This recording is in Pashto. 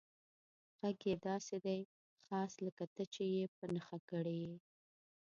غږ یې داسې دی، خاص لکه ته چې یې په نښه کړی یې.